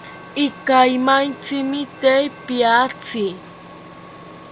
Ikaimaitzimi te piatzi